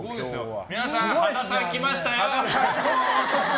皆さん、羽田さん来ましたよ！